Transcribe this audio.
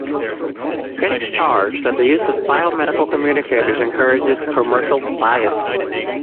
Critics charge that the use of biomedical communicators encourages commercial bias.